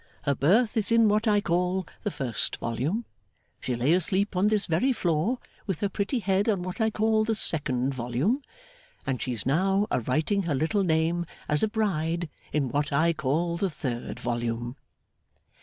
Her birth is in what I call the first volume; she lay asleep, on this very floor, with her pretty head on what I call the second volume; and she's now a writing her little name as a bride in what I call the third volume.